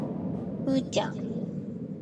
うーちゃん